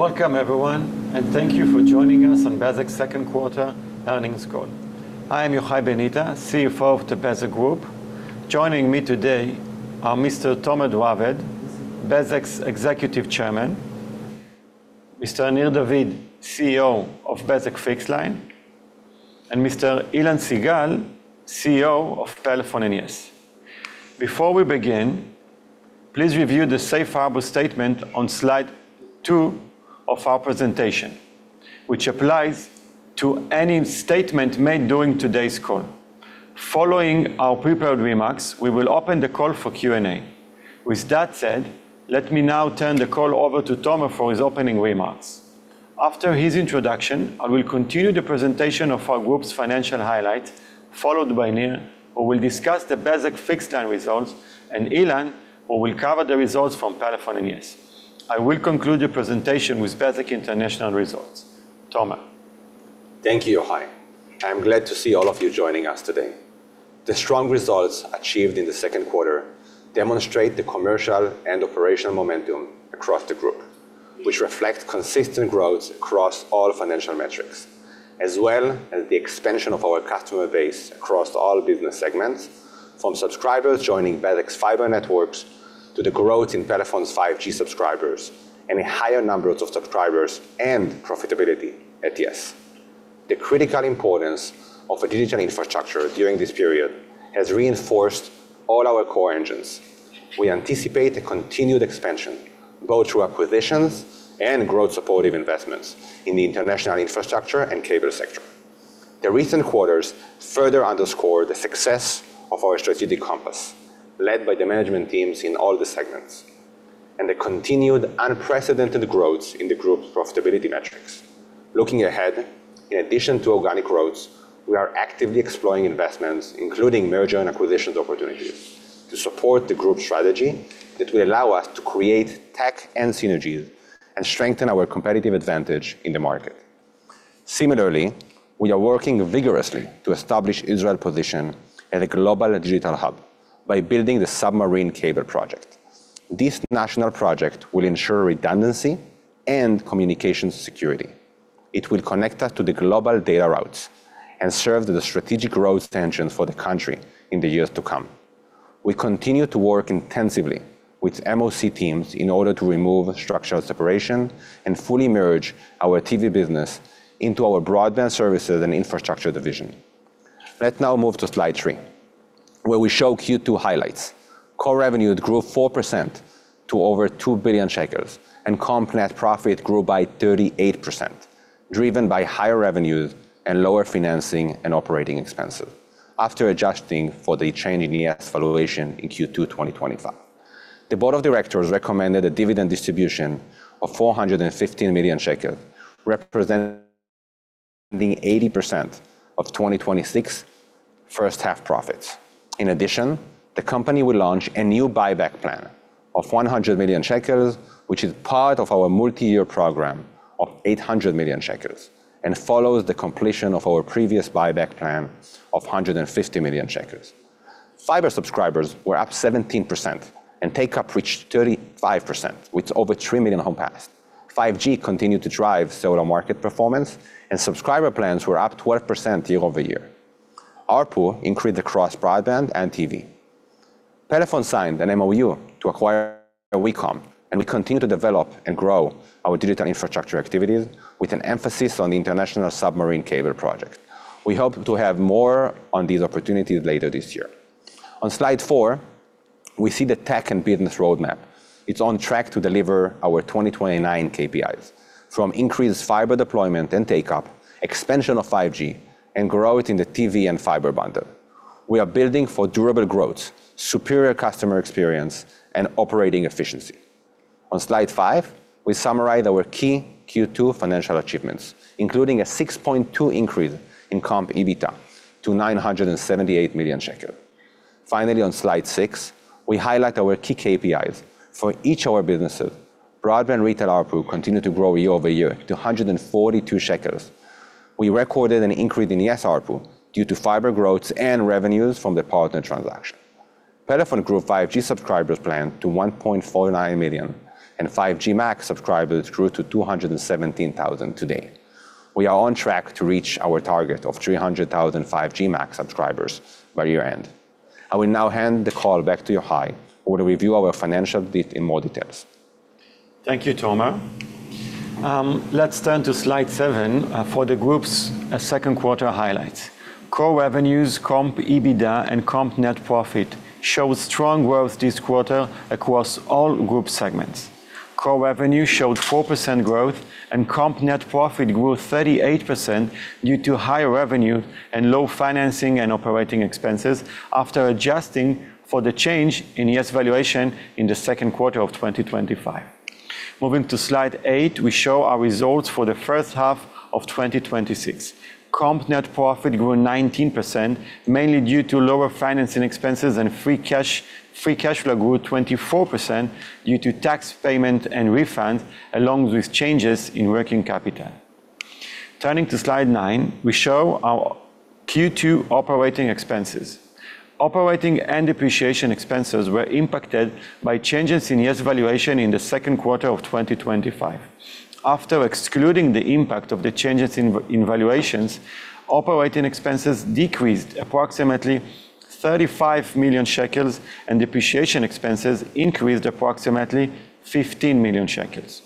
Welcome everyone, and thank you for joining us on Bezeq's second quarter earnings call. I am Yohai Benita, CFO of the Bezeq Group. Joining me today are Mr. Tomer Raved, Bezeq's Executive Chairman, Mr. Nir David, CEO of Bezeq Fixed-Line, and Mr. Ilan Sigal, CEO of Pelephone and Yes. Before we begin, please review the safe harbor statement on slide two of our presentation, which applies to any statement made during today's call. Following our prepared remarks, we will open the call for Q&A. With that said, let me now turn the call over to Toma for his opening remarks. After his introduction, I will continue the presentation of our group's financial highlights, followed by Nir, who will discuss the Bezeq Fixed-Line results, and Ilan, who will cover the results from Pelephone and Yes. I will conclude the presentation with Bezeq International results. Toma. Thank you, Yohai. I'm glad to see all of you joining us today. The strong results achieved in the second quarter demonstrate the commercial and operational momentum across the group, which reflect consistent growth across all financial metrics, as well as the expansion of our customer base across all business segments, from subscribers joining Bezeq's fiber networks, to the growth in Pelephone's 5G subscribers, and a higher number of subscribers and profitability at Yes. The critical importance of a digital infrastructure during this period has reinforced all our core engines. We anticipate a continued expansion, both through acquisitions and growth-supportive investments in the international infrastructure and cable sector. The recent quarters further underscore the success of our strategic compass, led by the management teams in all the segments, and the continued unprecedented growth in the group's profitability metrics. Looking ahead, in addition to organic growth, we are actively exploring investments, including merger and acquisitions opportunities, to support the group strategy that will allow us to create tech and synergies and strengthen our competitive advantage in the market. Similarly, we are working vigorously to establish Israel's position as a global digital hub by building the submarine cable project. This national project will ensure redundancy and communication security. It will connect us to the global data routes and serve the strategic growth engines for the country in the years to come. We continue to work intensively with MOC teams in order to remove structural separation and fully merge our TV business into our broadband services and infrastructure division. Let's now move to slide three, where we show Q2 highlights. Core revenues grew 4% to over 2 billion shekels, and Comparable Net Profit grew by 38%, driven by higher revenues and lower financing and operating expenses, after adjusting for the change in Yes valuation in Q2 2025. The board of directors recommended a dividend distribution of 415 million shekels, representing 80% of 2026 first half profits. In addition, the company will launch a new buyback plan of 100 million shekels, which is part of our multi-year program of 800 million shekels, and follows the completion of our previous buyback plan of 150 million shekels. Fiber subscribers were up 17% and take-up reached 35%, with over 3 million homes passed. 5G continued to drive total market performance, and subscriber plans were up 12% year-over-year. ARPU increased across broadband and TV. Pelephone signed an MOU to acquire Wecom, and we continue to develop and grow our digital infrastructure activities with an emphasis on the international submarine cable project. We hope to have more on these opportunities later this year. On slide four, we see the tech and business roadmap. It is on track to deliver our 2029 KPIs, from increased fiber deployment and take-up, expansion of 5G, and growth in the TV and fiber bundle. We are building for durable growth, superior customer experience, and operating efficiency. On slide five, we summarize our key Q2 financial achievements, including a 6.2% increase in Comparable EBITDA to 978 million shekel. Finally, on slide six, we highlight our key KPIs for each of our businesses. Broadband retail ARPU continued to grow year-over-year to 142 shekels. We recorded an increase in Yes ARPU due to fiber growth and revenues from the Partner transaction. Pelephone grew 5G subscribers plan to 1.49 million, and 5G Max subscribers grew to 217,000 today. We are on track to reach our target of 300,000 5G Max subscribers by year-end. I will now hand the call back to Yohai, who will review our financial bit in more details. Thank you, Tomer. Let's turn to slide seven for the group's second quarter highlights. Core revenues, Comparable EBITDA, and Comparable Net Profit showed strong growth this quarter across all group segments. Core revenue showed 4% growth, and Comparable Net Profit grew 38% due to higher revenue and low financing and operating expenses after adjusting for the change in Yes valuation in the second quarter of 2025. Moving to slide eight, we show our results for the first half of 2026. Comparable Net Profit grew 19%, mainly due to lower financing expenses and free cash flow grew 24% due to tax payment and refunds, along with changes in working capital. Turning to slide nine, we show our Q2 operating expenses. Operating and depreciation expenses were impacted by changes in Yes valuation in the second quarter of 2025. After excluding the impact of the changes in valuations, operating expenses decreased approximately 35 million shekels, and depreciation expenses increased approximately 15 million shekels.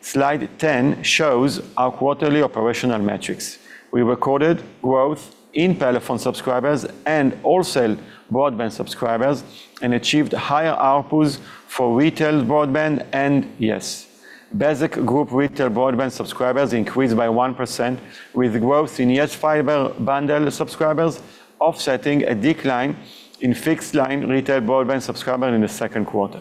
Slide 10 shows our quarterly operational metrics. We recorded growth in Pelephone subscribers and also broadband subscribers and achieved higher outputs for retail broadband and Yes. Bezeq Group retail broadband subscribers increased by 1% with growth in Yes fiber bundle subscribers offsetting a decline in fixed-line retail broadband subscriber in the second quarter.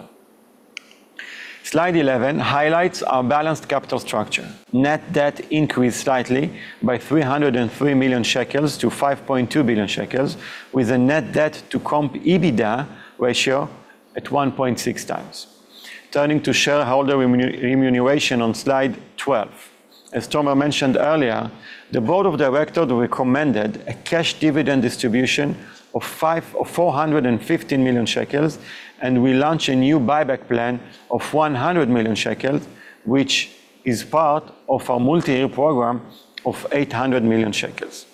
Slide 11 highlights our balanced capital structure. Net debt increased slightly by 303 million shekels to 5.2 billion shekels, with a net debt to Comparable EBITDA ratio at 1.6 times. Turning to shareholder remuneration on Slide 12. As Tomer mentioned earlier, the board of directors recommended a cash dividend distribution of 415 million shekels. We launch a new buyback plan of 100 million shekels, which is part of our multi-year program of 800 million shekels.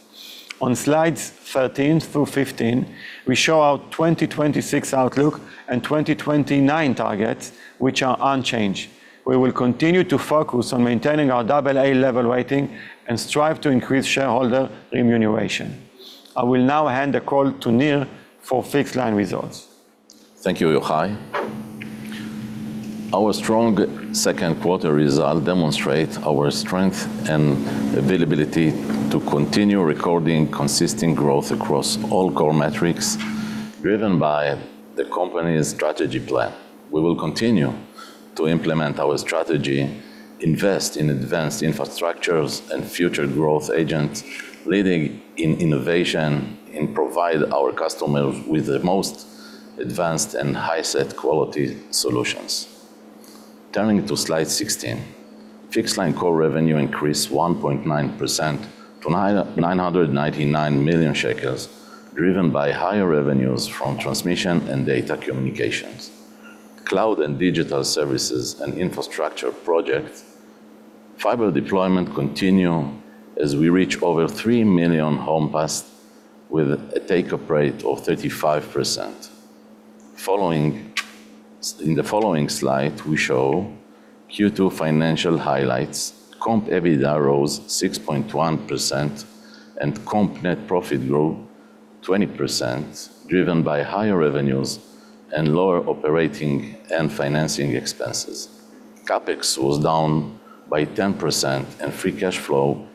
On slides 13 through 15, we show our 2026 outlook and 2029 targets, which are unchanged. We will continue to focus on maintaining our ilAA level rating and strive to increase shareholder remuneration. I will now hand the call to Nir for Fixed-Line results. Thank you, Yohai. Our strong second quarter results demonstrate our strength and availability to continue recording consistent growth across all core metrics driven by the company's strategy plan. We will continue to implement our strategy, invest in advanced infrastructures and future growth agents, leading in innovation, and provide our customers with the most advanced and highest quality solutions. Turning to slide 16, Fixed-Line core revenue increased 1.9% to 999 million shekels, driven by higher revenues from transmission and data communications, cloud and digital services, and infrastructure projects. Fiber deployment continued as we reach over 3 million homes passed with a take-up rate of 35%. In the following slide, we show Q2 financial highlights. Comparable EBITDA rose 6.1% and Comparable Net Profit grew 20%, driven by higher revenues and lower operating and financing expenses. CapEx was down by 10% and free cash flow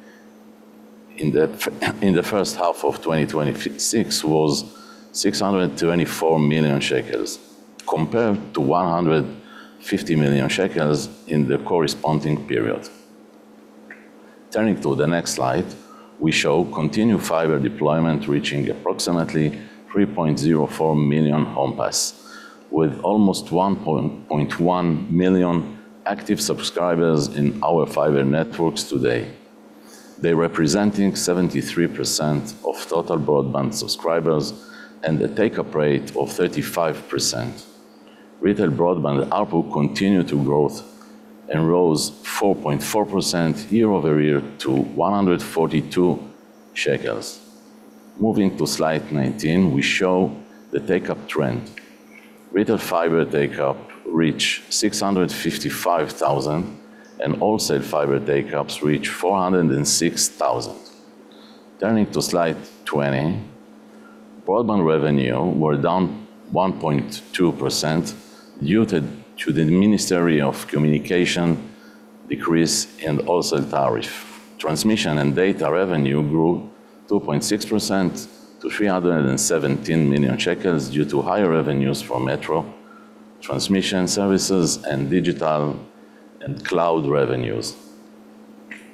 in the first half of 2026 was 624 million shekels compared to 150 million shekels in the corresponding period. Turning to the next slide, we show continued fiber deployment reaching approximately 3.04 million homes passed, with almost 1.1 million active subscribers in our fiber networks today. They are representing 73% of total broadband subscribers and a take-up rate of 35%. Retail broadband ARPU continued to grow and rose 4.4% year-over-year to 142 shekels. Moving to slide 19, we show the take-up trend. Retail fiber take-up reached 655,000 and wholesale fiber take-ups reached 406,000. Turning to slide 20, broadband revenue was down 1.2% due to the Ministry of Communications decrease and also tariff. Transmission and data revenue grew 2.6% to 317 million shekels due to higher revenues from metro transmission services and digital and cloud revenues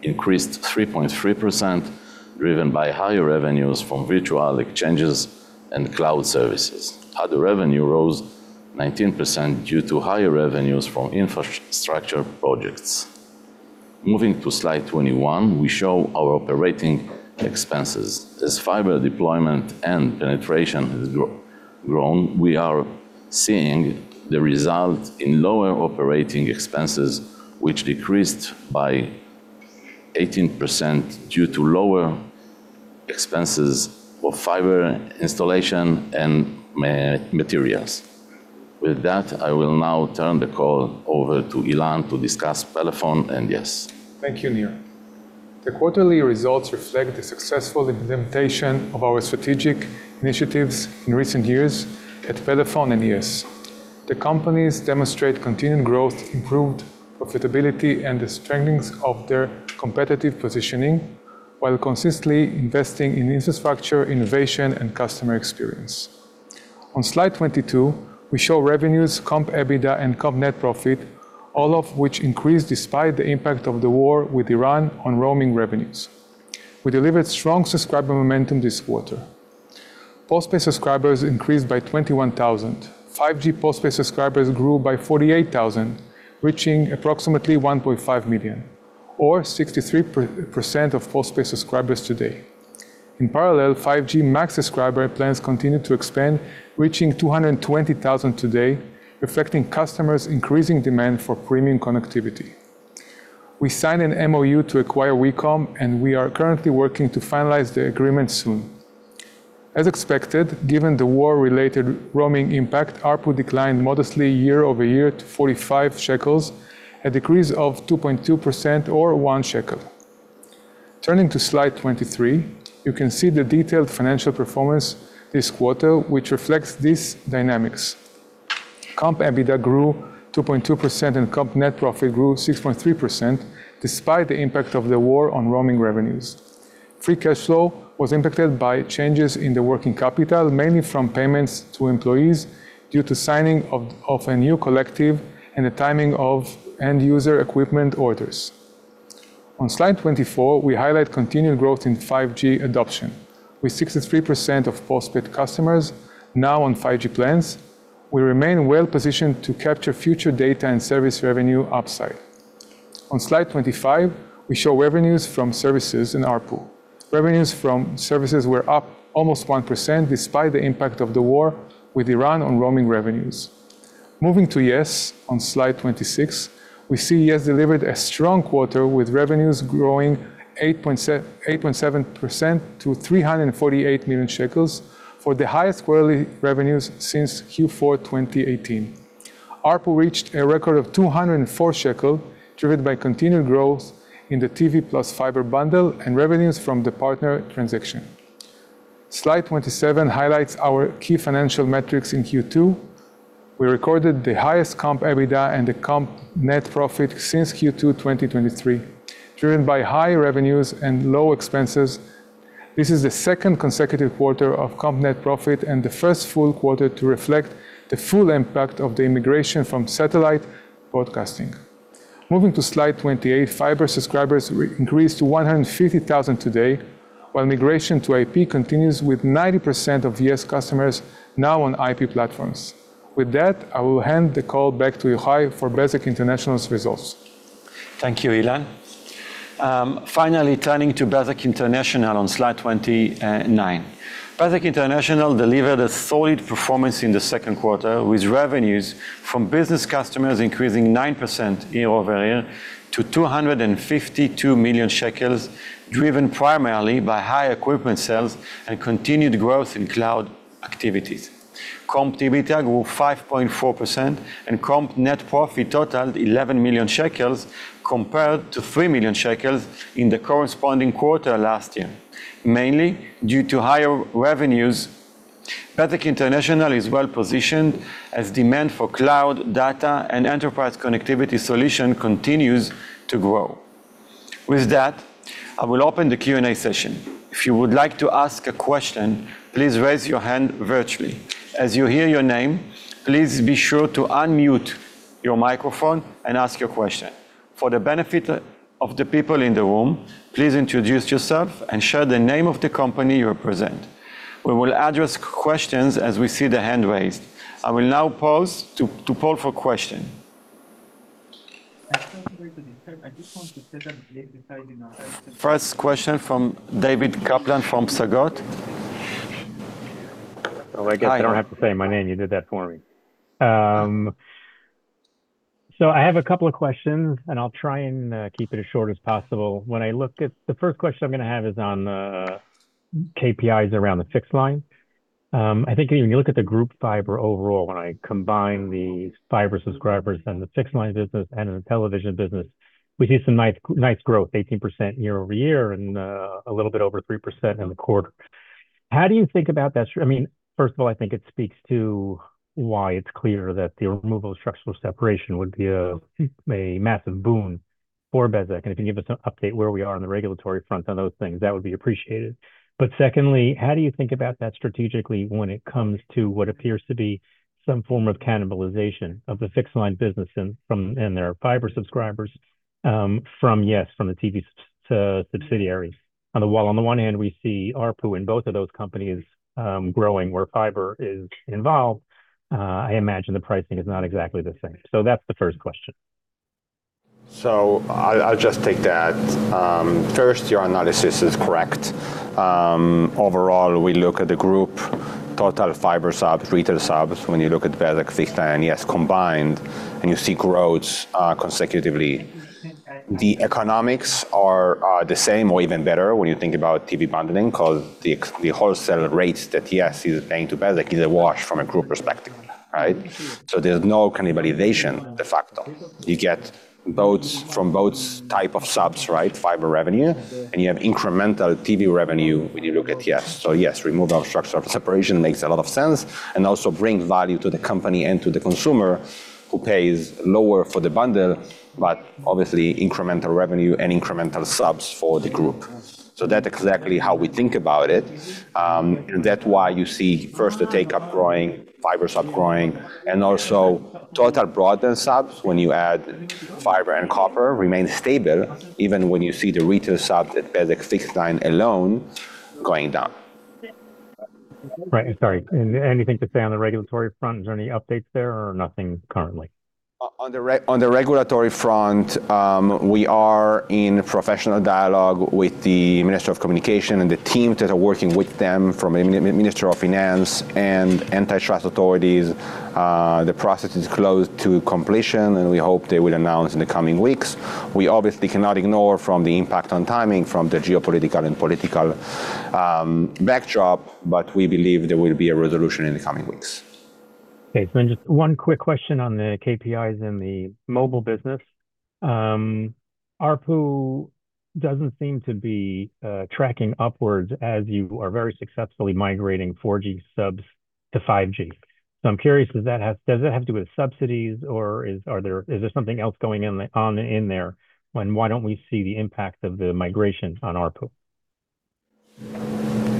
increased 3.3%, driven by higher revenues from virtual exchanges and cloud services. Other revenue rose 19% due to higher revenues from infrastructure projects. Moving to slide 21, we show our operating expenses. As fiber deployment and penetration has grown, we are seeing the result in lower operating expenses, which decreased by 18% due to lower expenses for fiber installation and materials. With that, I will now turn the call over to Ilan to discuss Pelephone and Yes. Thank you, Nir. The quarterly results reflect the successful implementation of our strategic initiatives in recent years at Pelephone and Yes. The companies demonstrate continued growth, improved profitability, and the strengthening of their competitive positioning while consistently investing in infrastructure, innovation, and customer experience. On slide 22, we show revenues, Comparable EBITDA, and Comparable Net Profit, all of which increased despite the impact of the war with Iran on roaming revenues. We delivered strong subscriber momentum this quarter. Postpaid subscribers increased by 21,000. 5G postpaid subscribers grew by 48,000, reaching approximately 1.5 million or 63% of postpaid subscribers today. In parallel, 5G Max subscriber plans continued to expand, reaching 220,000 today, reflecting customers' increasing demand for premium connectivity. We signed an MoU to acquire Wecom. We are currently working to finalize the agreement soon. As expected, given the war-related roaming impact, ARPU declined modestly year-over-year to 45 shekels, a decrease of 2.2% or 1 shekel. Turning to slide 23, you can see the detailed financial performance this quarter, which reflects these dynamics. Comp EBITDA grew 2.2% and Comparable Net Profit grew 6.3%, despite the impact of the war on roaming revenues. Free cash flow was impacted by changes in the working capital, mainly from payments to employees due to signing of a new collective and the timing of end-user equipment orders. On slide 24, we highlight continued growth in 5G adoption. With 63% of postpaid customers now on 5G plans, we remain well-positioned to capture future data and service revenue upside. On slide 25, we show revenues from services in ARPU. Revenues from services were up almost 1%, despite the impact of the war with Iran on roaming revenues. Moving to Yes on slide 26, we see Yes delivered a strong quarter, with revenues growing 8.7% to 348 million shekels, for the highest quarterly revenues since Q4 2018. ARPU reached a record of 204 shekel, driven by continued growth in the TV plus fiber bundle and revenues from the Partner transaction. Slide 27 highlights our key financial metrics in Q2. We recorded the highest Comparable EBITDA and the Comparable Net Profit since Q2 2023, driven by high revenues and low expenses. This is the second consecutive quarter of Comparable Net Profit and the first full quarter to reflect the full impact of the migration from satellite broadcasting. Moving to slide 28, fiber subscribers increased to 150,000 today, while migration to IP continues, with 90% of Yes customers now on IP platforms. With that, I will hand the call back to Yohai for Bezeq International's results. Thank you, Ilan. Finally, turning to Bezeq International on slide 29. Bezeq International delivered a solid performance in the second quarter, with revenues from business customers increasing 9% year-over-year to 252 million shekels, driven primarily by high equipment sales and continued growth in cloud activities. Comp EBITDA grew 5.4% and Comparable Net Profit totaled 11 million shekels compared to 3 million shekels in the corresponding quarter last year, mainly due to higher revenues. Bezeq International is well-positioned as demand for cloud, data, and enterprise connectivity solution continues to grow. With that, I will open the Q&A session. If you would like to ask a question, please raise your hand virtually. As you hear your name, please be sure to unmute your microphone and ask your question. For the benefit of the people in the room, please introduce yourself and share the name of the company you represent. We will address questions as we see the hand raised. I will now pause to poll for question. First question from David Kaplan from Psagot. Oh, I guess I don't have to say my name. You did that for me. I have a couple of questions, and I'll try and keep it as short as possible. The first question I'm going to have is on the KPIs around the Fixed-Line. I think when you look at the group fiber overall, when I combine the fiber subscribers and the Fixed-Line business and the television business, we see some nice growth, 18% year-over-year and a little bit over 3% in the quarter. How do you think about that? First of all, I think it speaks to why it's clear that the removal of structural separation would be a massive boon for Bezeq, and if you can give us an update where we are on the regulatory front on those things, that would be appreciated. Secondly, how do you think about that strategically when it comes to what appears to be some form of cannibalization of the Fixed-Line business and their fiber subscribers from, Yes, from the TV subsidiaries? While on the one hand, we see ARPU in both of those companies growing where fiber is involved, I imagine the pricing is not exactly the same. That's the first question. I'll just take that. First, your analysis is correct. Overall, we look at the group total fiber subs, retail subs. When you look at Bezeq Fixed-Line and Yes combined, and you see growth consecutively. The economics are the same or even better when you think about TV bundling because the wholesale rates that Yes is paying to Bezeq is a wash from a group perspective, right? There's no cannibalization de facto. You get from both type of subs, right, fiber revenue, and you have incremental TV revenue when you look at Yes. Yes, removal of structural separation makes a lot of sense and also brings value to the company and to the consumer who pays lower for the bundle, but obviously incremental revenue and incremental subs for the group. That's exactly how we think about it, and that's why you see first the take-up growing, fiber sub growing, and also total broadband subs, when you add fiber and copper, remain stable, even when you see the retail sub at Bezeq Fixed-Line alone going down. Right. Sorry. Anything to say on the regulatory front? Is there any updates there or nothing currently? On the regulatory front, we are in professional dialogue with the Ministry of Communications and the teams that are working with them from the Ministry of Finance and antitrust authorities. The process is close to completion, and we hope they will announce in the coming weeks. We obviously cannot ignore from the impact on timing from the geopolitical and political backdrop, but we believe there will be a resolution in the coming weeks. Okay. Just one quick question on the KPIs in the mobile business. ARPU doesn't seem to be tracking upwards as you are very successfully migrating 4G subs to 5G. I'm curious, does that have to do with subsidies or is there something else going on in there? Why don't we see the impact of the migration on ARPU?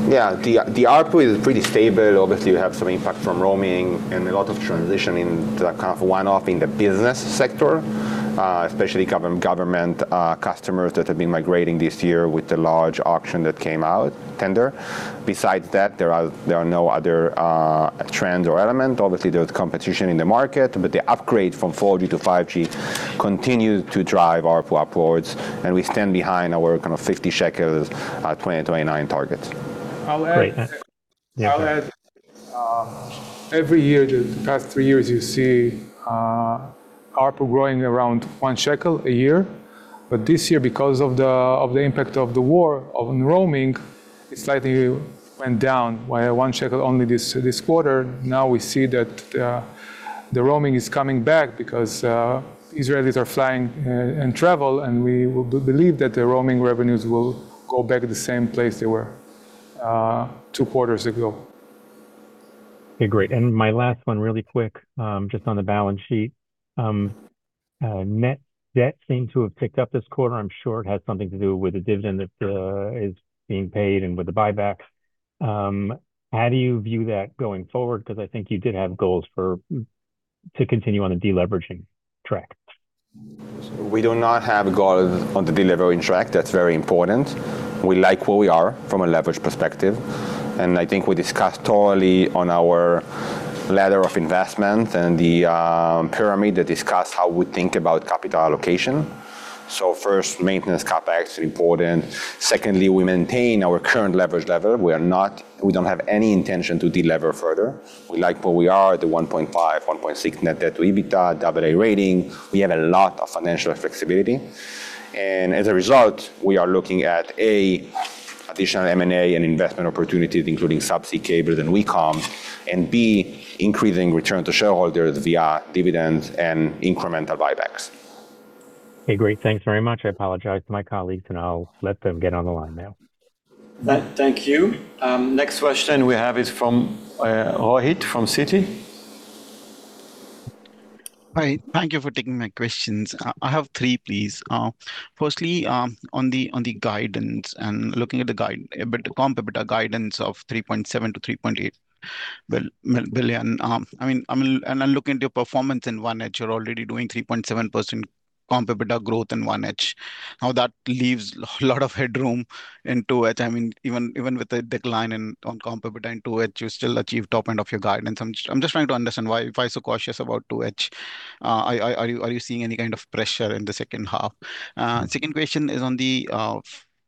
The ARPU is pretty stable. Obviously, you have some impact from roaming and a lot of transition in the kind of one-off in the business sector, especially government customers that have been migrating this year with the large auction that came out tender. Besides that, there are no other trends or element. Obviously, there's competition in the market, but the upgrade from 4G to 5G continued to drive ARPU upwards, and we stand behind our kind of 50 shekels at 2029 target. Great. I'll add, every year, the past three years, you see ARPU growing around 1 shekel a year. This year, because of the impact of the war on roaming, it slightly went down by 1 shekel only this quarter. Now we see that the roaming is coming back because Israelis are flying and travel, and we believe that the roaming revenues will go back the same place they were two quarters ago. Okay, great. My last one really quick, just on the balance sheet. Net debt seemed to have picked up this quarter. I'm sure it has something to do with the dividend that is being paid and with the buybacks. How do you view that going forward? I think you did have goals to continue on a deleveraging track. We do not have goals on the deleveraging track. That's very important. We like where we are from a leverage perspective, and I think we discussed thoroughly on our ladder of investment and the pyramid that discuss how we think about capital allocation. First, maintenance CapEx important. Secondly, we maintain our current leverage level. We don't have any intention to de-lever further. We like where we are at the 1.5, 1.6 net debt to EBITDA, ilAA rating. We have a lot of financial flexibility. As a result, we are looking at, A, additional M&A and investment opportunities, including Subsea Cables and Wecom, and B, increasing return to shareholders via dividends and incremental buybacks. Okay, great. Thanks very much. I'll let them get on the line now. Thank you. Next question we have is from Rohit from Citi. Hi. Thank you for taking my questions. I have three, please. Firstly, on the guidance and looking at the guide, a bit of Comparable EBITDA guidance of 3.7 billion-3.8 billion. Looking at your performance in 1H, you're already doing 3.7% Comparable EBITDA growth in 1H. That leaves a lot of headroom in 2H. Even with the decline in on Comparable EBITDA in 2H, you still achieve top end of your guidance. I'm just trying to understand why so cautious about 2H. Are you seeing any kind of pressure in the second half? Second question is on the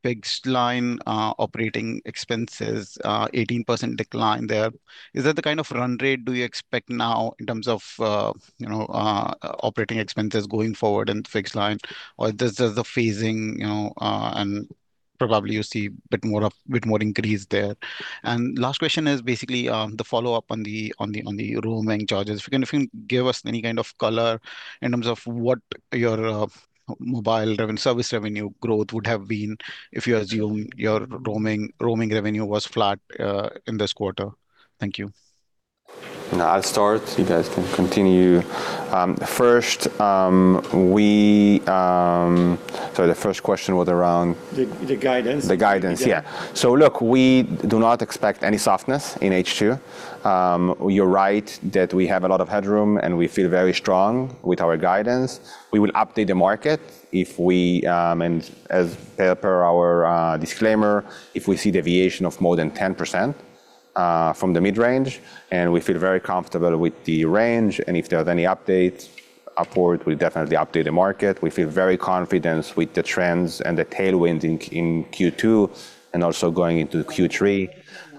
fixed line operating expenses, 18% decline there. Is that the kind of run rate do you expect now in terms of operating expenses going forward in fixed line? Or is this the phasing, probably you see bit more increase there? Last question is basically the follow-up on the roaming charges. If you can give us any kind of color in terms of what your mobile service revenue growth would have been if you assume your roaming revenue was flat in this quarter. Thank you. I will start. You guys can continue. Sorry, the first question was around. The guidance. The guidance. Look, we do not expect any softness in H2. You're right that we have a lot of headroom, and we feel very strong with our guidance. We will update the market as per our disclaimer, if we see deviation of more than 10% from the mid-range, and we feel very comfortable with the range, and if there's any update upward, we'll definitely update the market. We feel very confident with the trends and the tailwind in Q2 and also going into Q3,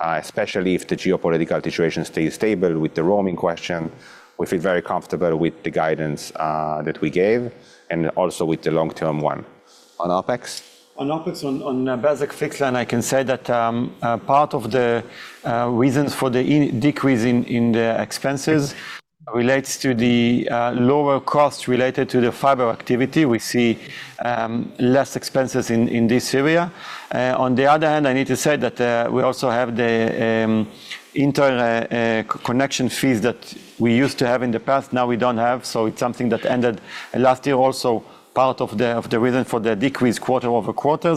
especially if the geopolitical situation stays stable with the roaming question. We feel very comfortable with the guidance that we gave and also with the long-term one. On OpEx. On OpEx, on Bezeq Fixed-Line, I can say that part of the reasons for the decrease in the expenses relates to the lower cost related to the fiber activity. We see less expenses in this area. On the other hand, I need to say that we also have the interconnection fees that we used to have in the past, now we don't have. It is something that ended last year also, part of the reason for the decrease quarter-over-quarter.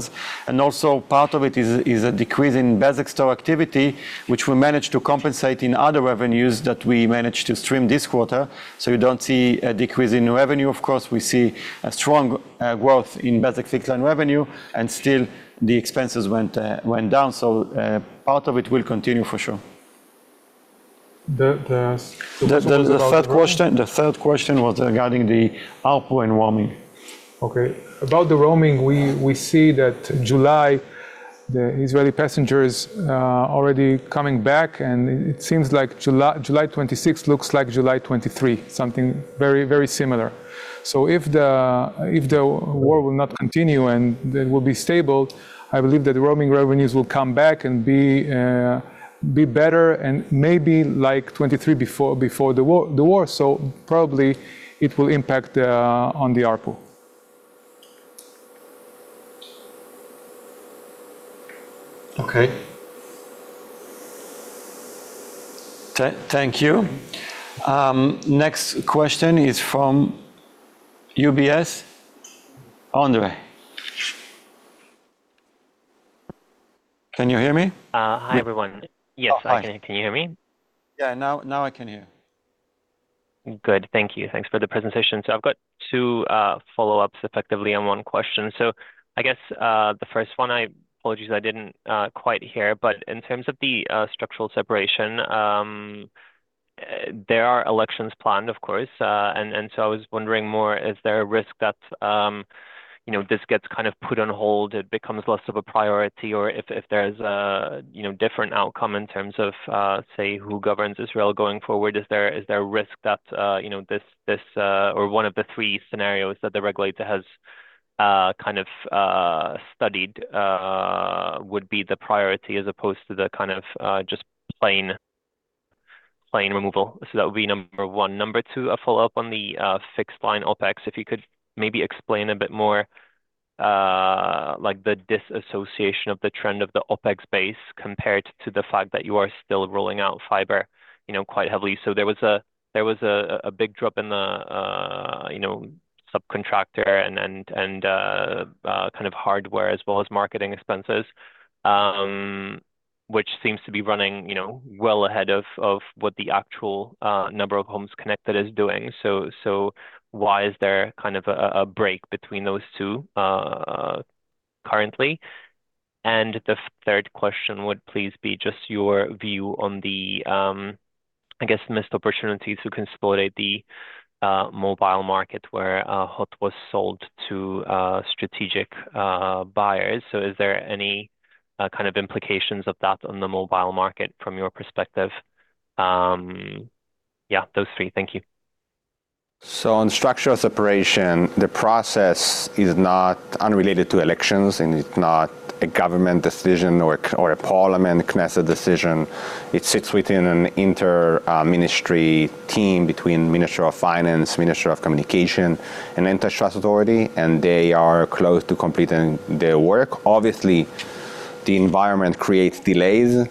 Also part of it is a decrease in Bezeq store activity, which we managed to compensate in other revenues that we managed to stream this quarter. You don't see a decrease in revenue. Of course, we see a strong growth in Bezeq Fixed-Line revenue, and still the expenses went down. Part of it will continue for sure. The third question was regarding the ARPU and roaming. Okay. About the roaming, we see that July, the Israeli passengers are already coming back, and it seems like July 26th looks like July 23, something very similar. If the war will not continue and it will be stable, I believe that the roaming revenues will come back and be better and maybe like 2023 before the war. Probably it will impact on the ARPU. Okay. Thank you. Next question is from UBS, Ondrej. Can you hear me? Hi, everyone. Yeah. Hi. Yes, I can. Can you hear me? Yeah. Now I can hear. Good. Thank you. Thanks for the presentation. I've got two follow-ups effectively on one question. I guess, the first one, apologies I didn't quite hear, but in terms of the structural separation, there are elections planned, of course. I was wondering more, is there a risk that this gets kind of put on hold, it becomes less of a priority? Or if there's a different outcome in terms of, say, who governs Israel going forward, is there a risk that this or one of the three scenarios that the regulator has kind of studied would be the priority as opposed to the kind of just plain removal? That would be number one. Number two, a follow-up on the fixed-line OpEx, if you could maybe explain a bit more the disassociation of the trend of the OpEx base compared to the fact that you are still rolling out fiber quite heavily. There was a big drop in the subcontractor and kind of hardware as well as marketing expenses, which seems to be running well ahead of what the actual number of homes connected is doing. Why is there kind of a break between those two currently? The third question would please be just your view on the, I guess, missed opportunities to consolidate the mobile market where Hot Mobile was sold to strategic buyers. Is there any kind of implications of that on the mobile market from your perspective? Yeah, those three. Thank you. On structural separation, the process is not unrelated to elections, and it's not a government decision or a parliament Knesset decision. It sits within an inter-ministry team between Ministry of Finance, Ministry of Communications, and Israel Competition Authority, and they are close to completing their work. Obviously, the environment creates delays.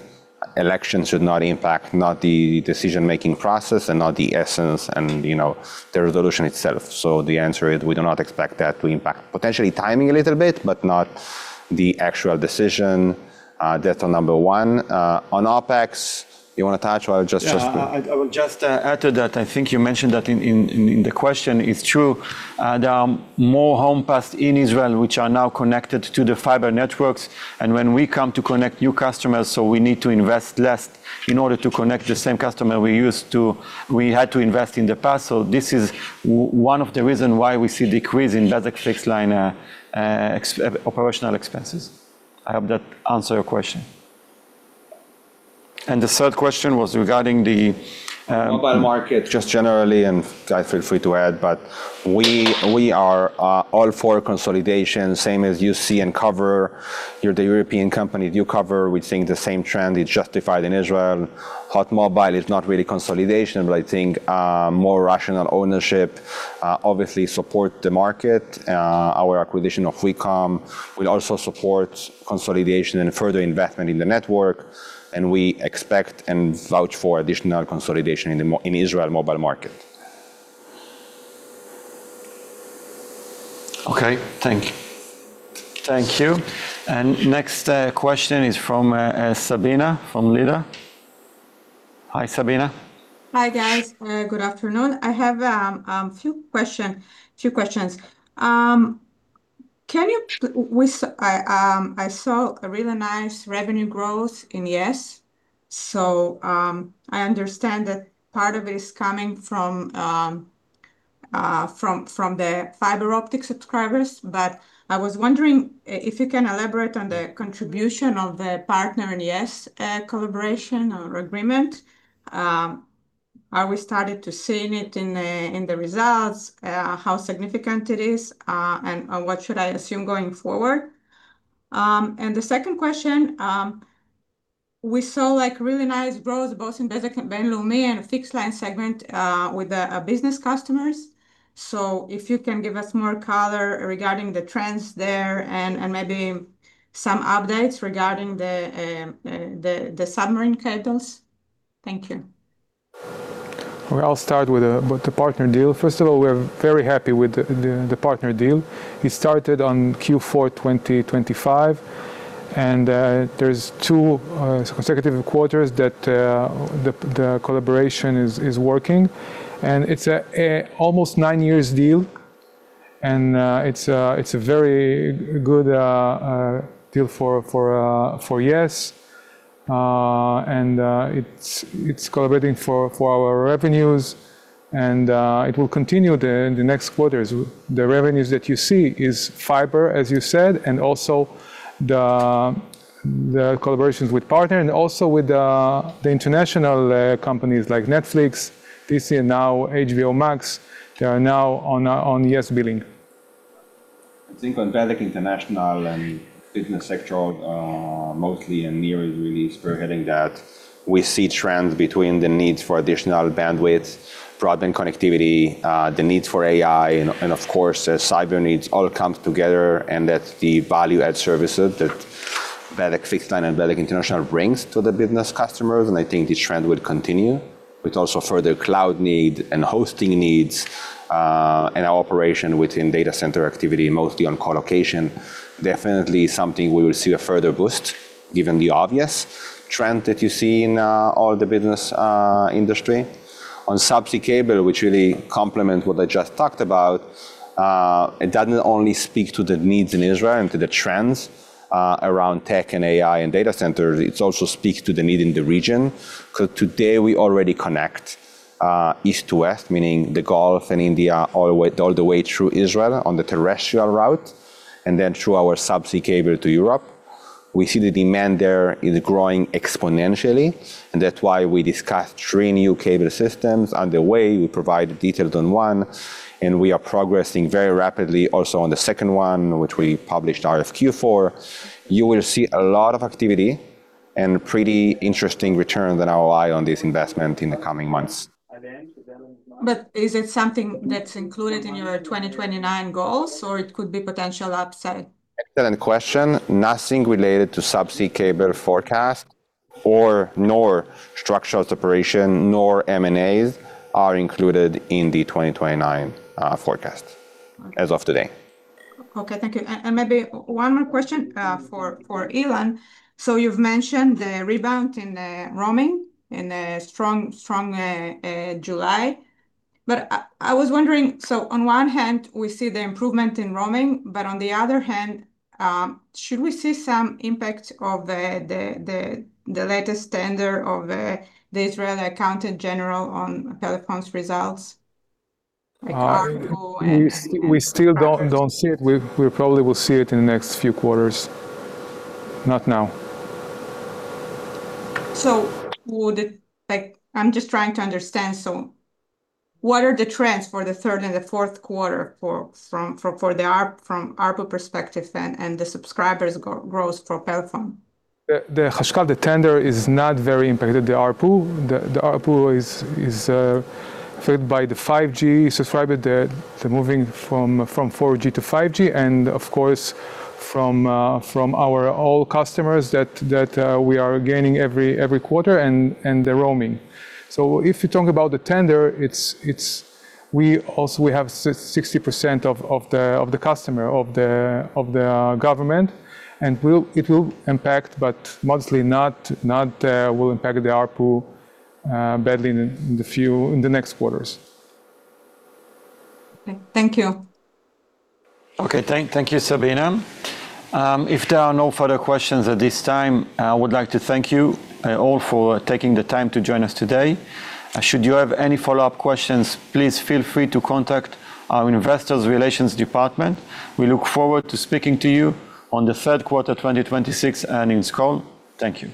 Elections should not impact not the decision-making process and not the essence and the resolution itself. The answer is we do not expect that to impact. Potentially timing a little bit, but not the actual decision. That's on number one. On OpEx, you want to touch or I'll just. Yeah. I would just add to that, I think you mentioned that in the question, it's true. There are more homes passed in Israel which are now connected to the fiber networks. When we come to connect new customers, we need to invest less in order to connect the same customer we used to, we had to invest in the past. This is one of the reason why we see decrease in Bezeq Fixed-Line operational expenses. I hope that answer your question. The third question was regarding the. Mobile market. Just generally, feel free to add, we are all for consolidation, same as you see in Cover. You're the European company. At U Cover, we're seeing the same trend. It's justified in Israel. Hot Mobile is not really consolidation, I think more rational ownership obviously support the market. Our acquisition of Wecom will also support consolidation and further investment in the network, we expect and vouch for additional consolidation in the Israel mobile market. Okay. Thank you. Next question is from Sabina, from Leader. Hi, Sabina. Hi, guys. Good afternoon. I have a few questions. I saw a really nice revenue growth in Yes. I understand that part of it is coming from the fiber optic subscribers, but I was wondering if you can elaborate on the contribution of the Partner in Yes collaboration or agreement. Are we starting to seeing it in the results, how significant it is, and what should I assume going forward? The second question, we saw really nice growth both in Bezeq and Bezeq Fixed-Line segment with the business customers. If you can give us more color regarding the trends there and maybe some updates regarding the Subsea Cables. Thank you. I'll start with the Partner deal. First of all, we're very happy with the Partner deal. It started on Q4 2025, and there's two consecutive quarters that the collaboration is working, and it's almost nine years deal. It's a very good deal for Yes, it's collaborating for our revenues, and it will continue there in the next quarters. The revenues that you see is fiber, as you said, also the collaborations with Partner also with the international companies like Netflix, Disney+, HBO Max. They are now on Yes billing. I think on Bezeq International business sector, mostly Nir is really spearheading that. We see trends between the needs for additional bandwidth, broadband connectivity, the needs for AI, cyber needs all come together that the value-add services that Bezeq Fixed-Line and Bezeq International brings to the business customers. I think this trend will continue with also further cloud need hosting needs, our operation within data center activity, mostly on colocation. Definitely something we will see a further boost given the obvious trend that you see in all the business industry. On subsea cable, which really complement what I just talked about, it doesn't only speak to the needs in Israel to the trends around tech AI and data centers, it also speaks to the need in the region. Today, we already connect east to west, meaning the Gulf and India all the way through Israel on the terrestrial route, then through our subsea cable to Europe. We see the demand there is growing exponentially, that's why we discussed three new cable systems. On the way, we provide details on one, we are progressing very rapidly also on the second one, which we published RFQ for. You will see a lot of activity pretty interesting return on ROI on this investment in the coming months. Is it something that's included in your 2029 goals, or it could be potential upside? Excellent question. Nothing related to Subsea Cables forecast or nor structural separation, nor M&As are included in the 2029 forecast as of today. Okay, thank you. Maybe one more question for Ilan. You've mentioned the rebound in roaming in a strong July. I was wondering, on one hand, we see the improvement in roaming, on the other hand, should we see some impact of the latest tender of the Accountant General of Israel on Pelephone's results? Like ARPU. We still don't see it. We probably will see it in the next few quarters. Not now. I'm just trying to understand. What are the trends for the third and the fourth quarter from ARPU perspective then and the subscribers growth for Pelephone? The Hashkal, the tender, is not very impacted. The ARPU is fed by the 5G subscriber, the moving from 4G to 5G and of course, from our all customers that we are gaining every quarter and the roaming. If you talk about the tender, we also have 60% of the customer, of the government, and it will impact, but mostly not will impact the ARPU badly in the next quarters. Okay. Thank you. Okay. Thank you, Sabina. If there are no further questions at this time, I would like to thank you all for taking the time to join us today. Should you have any follow-up questions, please feel free to contact our investors relations department. We look forward to speaking to you on the third quarter 2026 earnings call. Thank you.